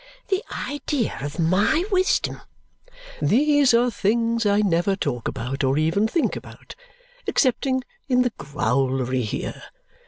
(The idea of my wisdom!) "These are things I never talk about or even think about, excepting in the growlery here.